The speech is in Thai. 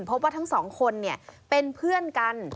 พบว่าทั้งสองคนเป็นเพื่อนกัน